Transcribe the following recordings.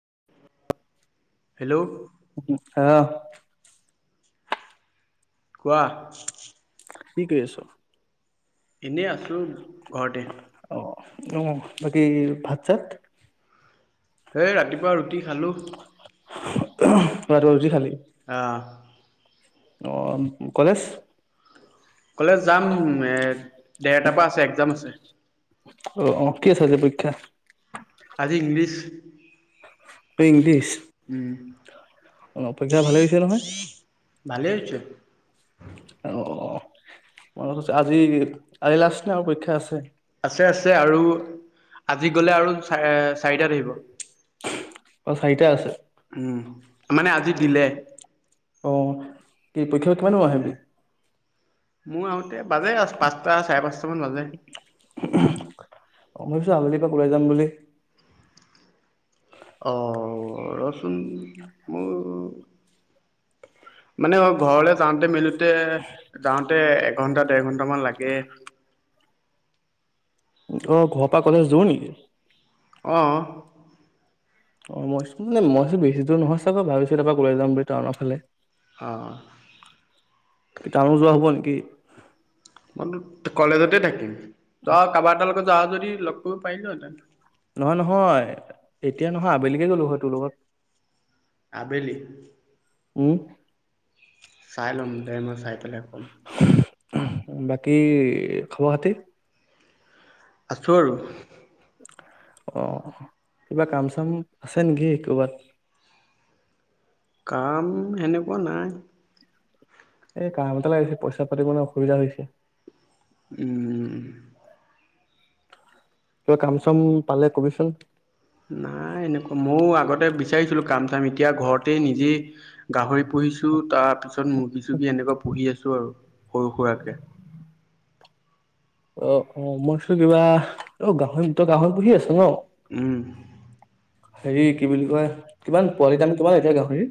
[inaudible] অহ [inaudible] কোৱা কি কৰি আছ এনেই আছোঁ ঘৰতে অ বাকী ভাত চাত সেই ৰাতিপুৱা ৰুটি খালোঁ ৰাতিপুৱা ৰুটি খালি আহ অ কলেজ কলেজ যাম এ ডেৰটাৰ পৰা আছে একজাম আছে অ অ কি আছে পৰীক্ষা আজি ইংলিছ এই ইংলিছ উম অ পৰীক্ষা ভালে হৈছে নহয় ভালেই হৈছে অ মন কৈছো আজি আজি লাষ্ট নে আৰু পৰীক্ষা আছে আছে আছে আৰু আজি গ'লে আৰু চা চাৰিটা থাকিব অ চাৰিটা আছে উম মানে আজি দিলে অ কি পৰীক্ষা পৰা কিমান সময়ত আহিবি মোৰ আৰু বাজে পাঁচটা চাৰে পাঁচটা মান বাজে আবেলি এপাক ওলাই যাম বুলি, অ ৰ [unintelligible] মানে অ ঘৰলে যাওঁতে মেলোতে, যাওঁতে এঘন্টা দেৰ ঘন্টামান লাগে। অ ঘৰ পৰা কলেজ দুৰ নেকি? অ। অ মই [unintelligible] বেছি দৰ নহয় চাবা ভাবিছো এাৰাক লৈ যাম বুলি টাউনৰ ফালে অ কিটানো যোৱা হব নেকি? মইতো কলেজতে থাকিম, তই কাবাতা এটাৰ লগত যাৱ যদি লগ কৰিব পাৰিলোঁ হেতেন? নহয় নহয়, এতিয়া নহয় আবেলিকে গলো হয় তোৰ লগত। আবেলি? উম। চাই ল'ম দে মই চাই পেলাই ক'ম ফু বাকী খবৰ খাতি? আছোঁ আৰু। অঁহ, কিবা কাম চাম আছে নেকি কৰবাত? কাম সেনেকুৱা নাই। এই কাম এটা লাগিছে পইচা পাতিবলৈ অসুবিধা হৈছে। উম। কিবা কাম চাম পালে কবিচোন? নাই এনেকুৱা ময়ও আগতে বিচাৰিছিলো কাম কমিতি এতিয়া ঘৰতেই নিজেই গাহৰি পুহিছোঁ, তাৰপিছত মুৰ্গী চুৰ্গী এনেকুৱা পুহি আছোঁ আৰু। সৰু সুৰাকে। অ অ, মই চো কিবা অ গাহৰি তই গাহৰি পুহি আছ ন? উম। হেৰি কি বুলি কয় কিমান পোৱালি দাম কিমান এতিয়া গাহৰি?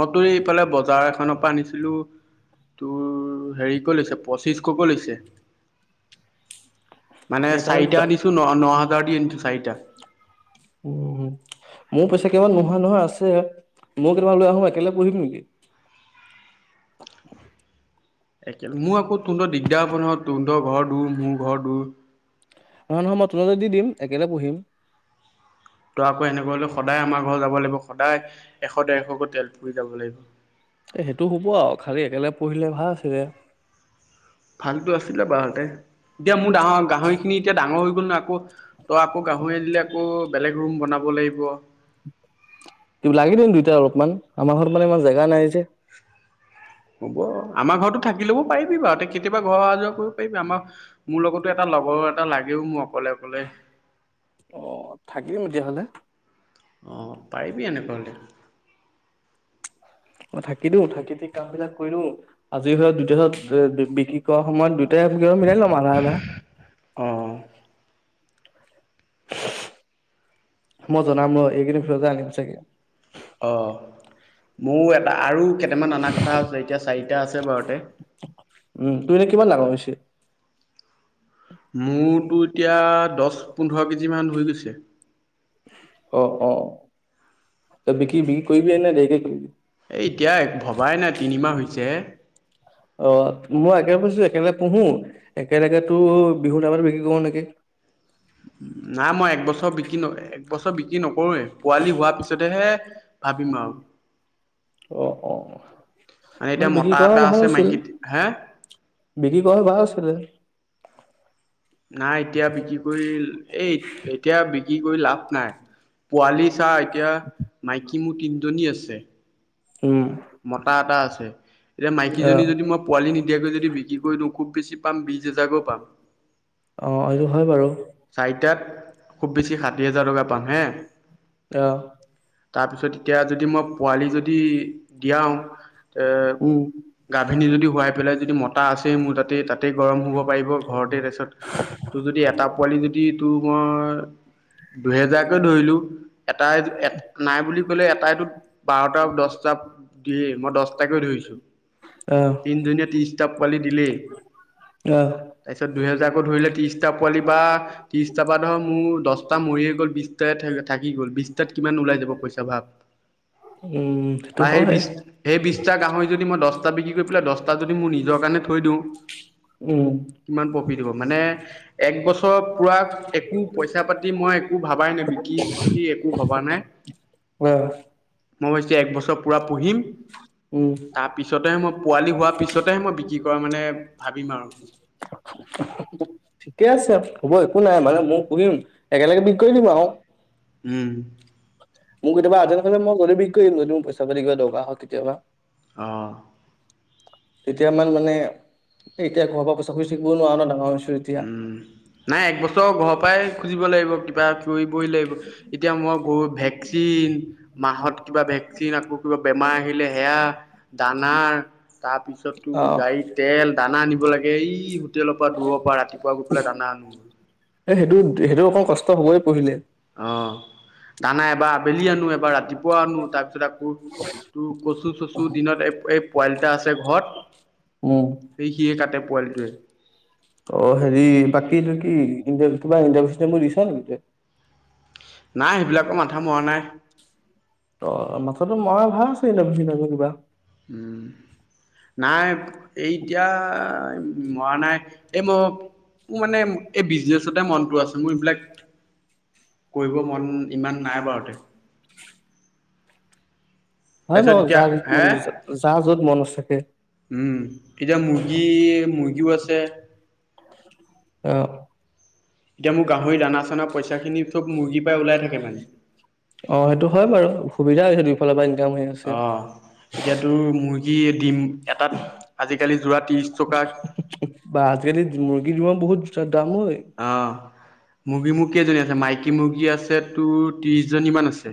মই তোৰ এইফালে বজাৰ এখনৰ পৰা আনিছিলোঁ। তোৰ হেৰি ক লৈছে পঁচিছ ক ক' লৈছে। মানে এটা নে চাৰিটা দুটা? আনিছো ন ন হাজাৰ দি আনিছো চাৰিটা। উম, মোৰ পইচা কিমান নোহোৱা নোহোৱা আছে। মোক তোমাৰ লৈ আহো একেলগ পুহিবি নেকি? একে মোৰ আকৌ তোৰলৈ দিগদাৰ হ'ব নহয় তহতৰ ঘৰ দূৰ মোৰ ঘৰ দূৰ। ন নহয় মই তোমাক দি দিম একেটা পঢ়িম। তো আকৌ এনেকোৱাটো সদায় আমাৰ যাব লাগিব, সদায় এশ ডৰশকৈ তেলপুৰি যাব লাগিব। এ সেইটো হ'ব আৰু খালি একেলগে পঢ়িলে ভাল আছিলে। ভালতো আছিলে বাহতে। এতিয়া মোৰ ডাঙ গাহৰি খিনি এতিয়া ডাঙৰ হৈ গ'ল নহয় আকৌ। উ [unintelligible] ত' আকৌ গাহৰি দিলে আকৌ বেলেগ ৰোম বনাব লাগিব ত লাগি দিম দুটাই অলপ ইমান আমাৰ ঘৰত মানে ইমান জেগা নাই যে। হ'ব আমাৰ ঘৰতো থাকি লব পাৰিবি বাৰু ত কেতিয়াবা ঘ অহ যোৱা কৰিব পাৰিবি আমাৰ মোৰ লগতো এটা লগৰ এটা লাগেও মোক অ থাকিম তেতিয়াহলে অহ পাৰিবি এনেকুৱা হলে অ থাকি দিও থাকি দি কাম বিলাক কৰি আজি হ বিদহত বি বিক্ৰী ত সময়ত দুটাই [unintelligible] মিলাই লম আধা আধা অ' মই জনাম ৰ এইকেদিন দেওবাৰে আহিম চাগে অঁ মোৰ এটা আৰু কেইটামান অনা কথা হৈছে এতিয়া চাৰিটা আছে ঘৰতে উম তুমি এনে কিমান ডাঙৰ হৈছে মোৰতো এতিয়া দছ পোন্ধৰ কেজি মান হৈ গৈছে। ত বিকি বিকি কৰিবি নে দেৰিকে কৰিবি এতিয়া ভবাই নাই তিনিমাহ হৈছে হে অ মই একেবেছো একেলগে পুহো একেলগে পুহো বিহু টাইমত বিক্ৰী কৰো এনেকে নাই মই একবছৰ বিকিম অ এক বছৰ বিক্ৰী নকৰোৱে পোৱালি হোৱাৰ পিছতেহে ভাবিম আৰু। অ অ এতিয়া মানে বিক্ৰী মতা কৰা এটা আছে ভাল আছিল মাইকী হে বিক্ৰী কৰালে ভাল আছিলে। নাই এতিয়া বিক্ৰী কৰি এই এতিয়া বিক্ৰী কৰি লাভ নাই পোৱালি চাহ এতিয়া মাইকী মোৰ তিনিজনী আছে উম মতা এটা আছে এতিয়া অ মাইকীজনী যদি মই পোৱালি নিদিয়াকৈ যদি বিক্ৰী কৰি দিওঁ খুব বেছি পাম বিশ হেজাৰকৈ পাম অঁ এইটো হয় বাৰু চাৰিটাত খুব বেছি ষাঠি হাজাৰ টকা পাম হে অ তাৰপিছত এতিয়া যদি মই পোৱালি যদি দিয়াও তে উম, গাভিনী যদি শোৱাই পেলাই যদি মত টা আছে মোৰ তাতে। তাতেই গৰম হ'ব পাৰিব ঘৰতে তাপিছত, তোৰ যদি এটা পোৱালি যদি টোৰ মই দুহেজাৰকে ধৰিলো, এটাই-এট নাই বুলি কলে এটাইটো বাৰটা-দছটা দিয়ে মই, দহটাকৈ ধৰিছো। আহ, তিন দিনীয়া তিৰিছ কিতাপ পোৱালি দিলে। অহ। দুহেজাৰ কৈ ধৰিলে ততিৰিষ্টা পোৱালি বা ততিৰিষ্টাৰ পৰা ধৰ মোৰ দহটা মৰিয়ে গ'ল বিষ্টা থাকি গ'ল। বিষ্টাত কিমান ওলাই যাব পইচা ভাৱ? উম, সেইটো হেই হয়। বিষ্ট - হেই বিষ্ট গাহৰি যদি মই দস্তা বিক্ৰী কৰি পেলাই দস্তা যদি মই নিজৰ কাৰণে থৈ দিওঁ উম। কিমান প্ৰফিট মানে এক বছৰ বছৰ পুৰাক একো পইচা পাতি মই একো ভবাই নাই বিকিম-চিকিম একো ভবা নাই অহ। মইছো এক বছৰ পুৰা পঢ়িম। উম, তাৰ পিছতেহে মই পোৱালি হোৱাৰ পিছতেহে মই বিক্ৰী কৰা মানে ভাবিম আৰু। ঠিকে আছে হ'ব একো নাই মানে মই সুহিম একেলগে বিক কৰি দিম আৰু। উম। মোক কেতিয়াবা আজলেই সময়ত মই [unintelligible] বিক কৰিম যদি মই পইচা যদি কিবা দৰকাৰ হয় কেতিয়াবা। অহ। তেতিয়া আমাৰ মানে এতিয়া ঘাৰ পা পইচা খোঁচ থাকিব নোৱাৰ ন ডাঙৰ এতিয়া। উম, নাই একবছৰ ঘৰৰ পৰাই খুজিব লাগিব কিবা কৰিবইি লাগিব, এতিয়া মই গৰু ভেকচিন, মাহত কিবা ভেকচিন আকৌ কিবা বেমাৰ, আহিলে সেয়া দানাৰ। তাৰপিছততো অহ, গাড়ীত তেল, দানা, আনব লাগে এই তেলৰ পৰা দূৰ পোৱা ৰাতিপুৱা গৈ পেলাই দানা আনোগৈ। এ সেইটো-সেইটো অকণ কষ্ট হবয় পঢ়িলে। অহ দানা এবাৰ আবেলি আনো এবাৰ ৰাতিপুৱা আনো তাৰপিছত আকৌ তোৰ কচু-চচু দিনত এই পোৱালিটা আছে ঘৰত, উম, সেই সিয়ে কাটে পোৱালিটোৱে। অহ, হেৰি বাকিটো কি [unintelligible] কিবা [unintelligible] চিষ্টেম টো দিছা নেকি তই? নাই সেইবিলাকো মাথা মৰা নাই। ত আমাক তত ম ভাল আছে [unintelligible] কিবা। উম, নাই এই এতিয়া মৰা নাই। এই মই মোৰ মানে এই বিজনেছতে মনটো আছে মোৰ এইবিলাক কৰিব মন ইমান নাই বাৰুতে। হয় তাৰপিছত বাৰু যাৰ এতিয়া মন হে, যাৰ য'ত মন থাকে উম এতিয়া মুৰ্গী মুৰ্গীও আছে। আহ। এতিয়া মোৰ গাহৰি দানা চানা পইচা খিনি চব মুৰ্গী পাই ওলাই থাকে মানে। অ সেইটো হয় বাৰু। সুবিধা হৈছে দুইফালৰ পৰা ইনকাম হৈ আছে। কি দিম এটাত আজিকালি যোৰা ত্ৰিশ টকা। বিলখন বহুত দিচতাপ। অ মুগী মু কেইজনী আছে মাইকী। কী মুৰ্গী আছে তোৰ ত্ৰিছজনীমান আছে?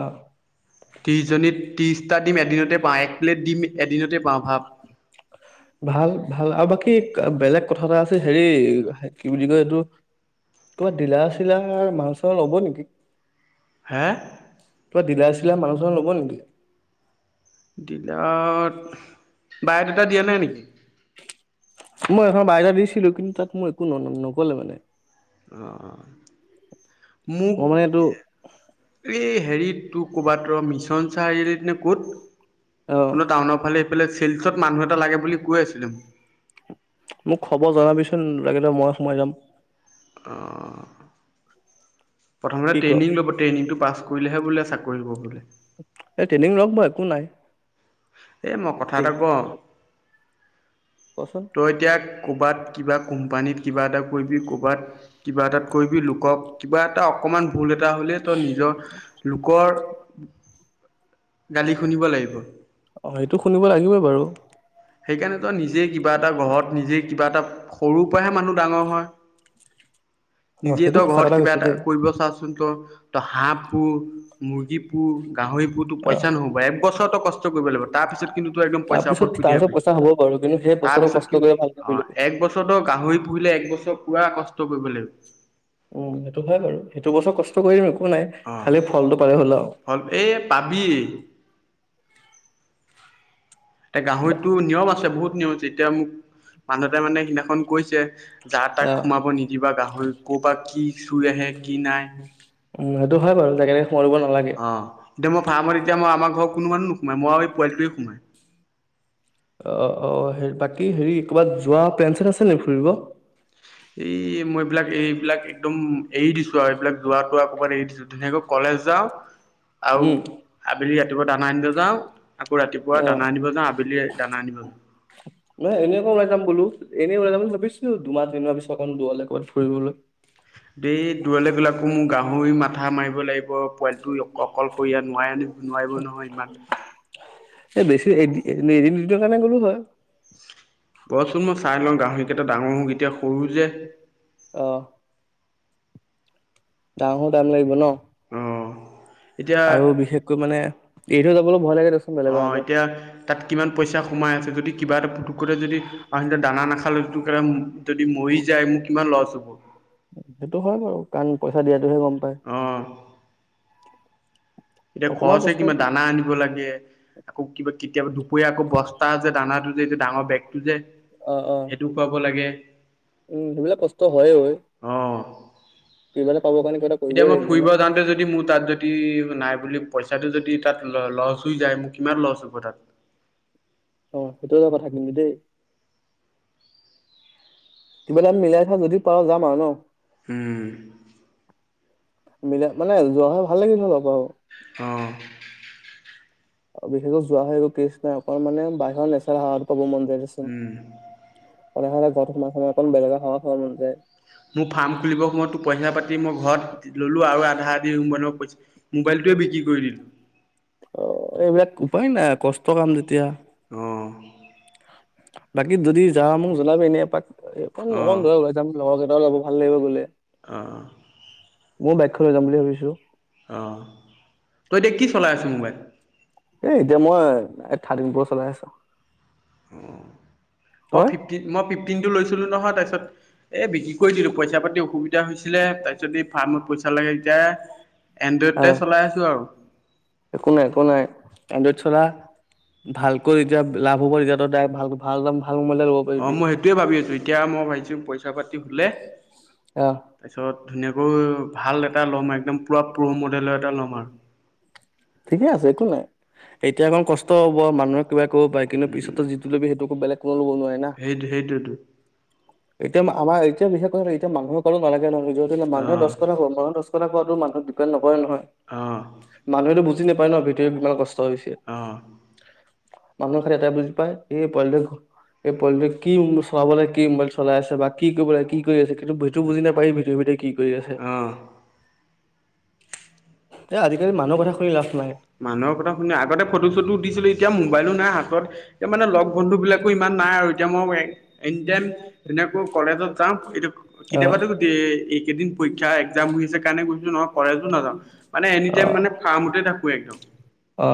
অ ত্ৰিশজনী ত্ৰিশটা দিম এদিনতে পা এক প্লেট দিম। এদিনতে পাওঁ ভাব। ভাল ভাল আৰু বাকী বেলেগ কথা এটা আছে হেৰি কি বুলি কয় এইটো কবাত দিলা চিলা মান চাং ল'ব নেকি? ঔ হে কিবা দিলাই চিলাই মানুহ চানু ল'ব নেকি? দিলাৰট। বায়েডটা দিয়া নাই নেকি? মই এখন বায়দা দিছিলো কিন্তু তাত মই একো ন নক'লে মানে। আহ মোক মই মানে এইটো এই। হেৰি তোৰ ক'বাত মিছন চাৰিআলিত নে ক'ত অ ত টাউনৰ ফালে সফালে চেলচত মানুহ এটা লাগে বুলি কৈ আছিলে? মোক খবৰ জনাবিচোন লাগিলে মই সোমাই যাম। অ প্ৰথম কি ক ট্ৰেইনিং ল'ব ট্ৰেইনিংটো পাছ কৰিব? কৰিলেহে বোলে চাকৰি কৰিব বোলে? এই ট্ৰেইনিং লগ বা একো নাই। এই মই কথা সেই এটা কওঁ। কচোন তই এতিয়া কৰবাত কিবা কোম্পানীত। কিবা এটা। কৰিবি কৰ'বাত কিবা এটাত কৰিবি লোকক কিবা এটা অকমান ভুল এটা হ'লে ত নিজৰ লোকৰ। গালি শুনিব লাগিব? অঁ সেইটো শুনিব লাগিবই বাৰু। সেইকাৰণ তো নিজে কিবা এটা ঘৰত নিজে কিবা এটা সৰুৰ পৰাহে মানুহ ডাঙৰ হয়। অ নিজে সেইটো তো সঁচা ঘৰত কথা কিবা কৈছো এটা দেই কৰিব চাচোন। ত হাঁ পু মুৰ্গী পুৰ গাহৰি পুৰতো অ পইচা নহ'ব এক বছৰৰতো কষ্ট কৰিব লাগিব। তাৰ পিছত। কিন্তু তয় পইচা তাৰপিছত ওপৰত হুই তাৰপিছত থাকিব। পইচা হব বাৰু কিন্তু সেই বইচৰো তাৰপিছত কষ্ট কৰিব ভাল লৈলব। পহিলে একবছৰ পুৰা কষ্ট কৰিব লাগিব। উম সেইটো হয় বাৰু সেইটো বছৰ কষ্ট কৰিম একো। নাই অহ খালি ফলটো পালে হ'ল আও ফল এই পাবি। এতিয়া গাহৰিটো নিয়ম আছে বহুত নিয়ম আছে। এতিয়া মোক মানুহতে মানে সিদিনাখন কৈছে। যা অ তাক সোমাব নিদিবা গাহৰি ক'বাত কি চুই আহে কি নাই। উম সেইটো হয় বাৰু তাকে। অ এতিয়া মই ফাৰ্মত এতিয়াই আমাৰ ঘৰ কোনো মানুহ নোসোমাই মই আৰু পোৱালিটোৱে সোমাই। অ অ বাকী হেৰি ক'ৰবাত যোৱা পেন চেট আছে নেকি ফুৰিব। এই মই। একদম এইদিছো। এইবিলাক যোৱাতো আকমান এৰি দিছো ধনেকৈ কলেজ যাওঁ। আৰু উম আবেলি ৰাতিপুৱা দানা আনিলে যাওঁ। আকৌ ৰাতিপুৱা অ দানা আনিব যাওঁ আবেলি দানা আনিব যাওঁ ম এনে একোও নাযাম বোলো। এনেই ওল যাম বুলি ভাবিো দুমাহ এনেই ভাবিো অকণ দৌল ক'বাত ফুৰিবলৈ। দেই তোৱাল বিলাকো মোৰ গাহৰি মাথা মাৰি। লাগিব। পোৱালিটো [unintelligible] অকলশৰীয়া নোৱাৰে নোৱাৰিব নহয় ইমান এই বেছি এ এদিন দুনৰ কাৰণে গ'লো হয়। বৰচোন মই চাই লওঁ গাহৰিকেইটা ডাঙৰ হোকেইতিয়া। পৰু যে। অ ডঙো দাম লাগিব ন। অঁ এতিয়া আৰু বিশেষকৈ মানে। এইটো যাব। অ এতিয়া তাত কিমান পইচা সোমাই আছে যদি। কিবা এটা পুটুকুৰে যদি দানা নাখাল যদি মৰি যায় মোৰ কিমান লছ হ'ব। সেইটো হয় বাৰু কাৰণ পইচা দিয়াটোহে গম পায়। অঁ এতিয়া অকমান খৰচে কষ্ট কিবা দানা অ আনিব লাগে আকৌ কিবা কেতিয়াবা দুপৰীয়া আকৌ বস্তা যে দানাটো যে এতিয়া ডাঙৰ। বেগটো যে। অ সেইটো কোৱাব লাগে উম সেইবিলাক কষ্ট হয় ঐ অঁ কিবা এটা পাবৰ কাৰণে কিবা এটা এতিয়া কৰিবই মই লাগিব ন ফুৰিব যাওঁতে যদি মোৰ তাত যদি নাই বুলি পইচাটো যদি তাত লচ হৈ যায় মোক কিমান লছ হব্ তাত অ সেইটো এটা কথা কিন্তু দেই কিবা এটা মিলাই থা যদিও পাৰ যাম আৰু ন। [unintelligible] উম মিলাই মানে যোৱা হয় ভাল লাগিল অলপ আৰু অঁ আৰু বিশেষকৈ যোৱা হয় একো কেচ নাই অক মানে বাহিৰৰ নেচাৰ হ [unintelligible] মন্দিৰ [unintelligible] উম, তমাৰ সময়ক বেগ সম মন যায় [unintelligible] মোৰ ফাৰ্ম খুলিবৰ সময়তো পইচা পাতি মই ঘৰত ললো আৰু আধা দি মোবাইল পইচা মোবাইলটোৱে বিক্ৰী কৰি দিলো এক উপায় নাই কষ্ট কাম যেতিয়া অ', বাকী যদি জাহ মোক জনাবি এনে এপাক। এই অ ধ যাম [unintelligible] ও লব ভাল লাগিব বোলে আহঁ মই বাইকখন লৈ যাম বুলি ভাবিছো। আহ তই দে কি চলাই আছ মোবাইল এ এতিয়া মই এ থাৰ্টি ফৰ চলাই আছো অ মই ফিফটিন মই ফিফটিন টো লৈছিলো নহয় তাৰপিছত এই বিক্ৰী কৰি দিলো পইচা পাতি অসুবিধা হৈছিলে তাৰ পিছত ফাৰ্মত পইচা লাগে এতিয়া এনড্ৰইডতে আহ চলাই আছো আৰু। একো নাই একো নাই [unintelligible] এনড্ৰইড চলা ভালকৈ এতিয়া লাভ হ'ব তেতিয়াতো ভাল ভালাম [unintelligible] অ মই সেইটোয়ে ভাবি আছো এতিয়া মই ভাবিছো কথা পাতি হুলে আহ তাৰপিছত [unintelligible] ধুনীয়াকৈ ভাল দে ল' মাইম [unintelligible] একদম পুৰা প্ৰ মডেলৰ এটা লম আৰু [unintelligible] ঠিকে আছে একো নাই এতিয়া অকণ কষ্ট হব মানুহে কিবা ক'ব পাৰে কিন্তু পিছতো যিটো লবি সেইটোকো বেলেগ কোনো ল'ব নোৱাৰে না সেই সেইটোৱেতো [unintelligible] এতিয়া আমাৰ এতিয়া বিশেষ কৈ এতিয়া মানুহৰ কাৰো নালাগে নহ [unintelligible] মানুহৰ অ'। [unintelligible] [unintelligible] [unintelligible] হয়-নহয়, অ', মানুহেতটো বু- হয় ন ভিতৰিত ইমান কষ্ট। হৈছে। অ', মানুহে খালি এটাই বুজি পায় এই পোৱালিটো এই পোৱালিটোৱে কি চলাব কি মোবাইল চলাই আছে বা কি কৰিব লাগে কি কৰি আছে সেইটো সেইটো বুজি নাপায় - [unintelligible] গৈ আছে। অ'। এ আজিকালি মানুহৰ কথা শুনি লাভ- নাই মানুহৰ কথা শুনি আগতে ফটো চটো উঠিছিলোঁ, এতিয়া মোবাইলো নাই হাতত হিঃ', এতিয়া মানে লগ বন্ধুবিলাকো ইমান নাই আৰু, এতিয়া মই এনি টাইম তেনেকৈ কলেজত যাওঁ, এতিয়া অ কেতিয়াবাতো এইকেইদিন পৰীক্ষা এক্জাম হৈছে কাৰণে গৈছোঁ নহলে কলেজো নাযাওঁ। মানে এনি অ টাইম মানে ফাৰ্মতে থাকো। একদম', অ